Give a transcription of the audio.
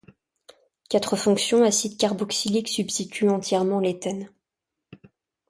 Quatre fonctions acide carboxylique substituent entièrement l'éthène.